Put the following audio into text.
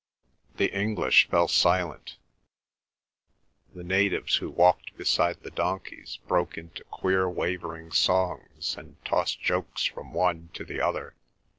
The English fell silent; the natives who walked beside the donkeys broke into queer wavering songs and tossed jokes from one to the other.